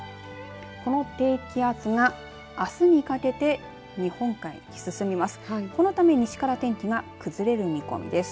この低気圧が、あすにかけて日本海に進みます。